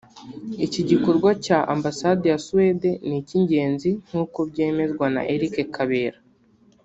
iki gikorwa cya Ambasade ya Suède ni ingenzi nk’uko byemezwa na Eric Kabera